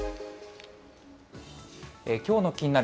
きょうのキニナル！